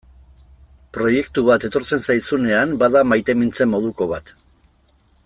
Proiektu bat etortzen zaizunean bada maitemintze moduko bat.